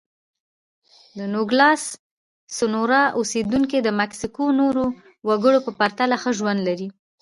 د نوګالس سونورا اوسېدونکي د مکسیکو نورو وګړو په پرتله ښه ژوند لري.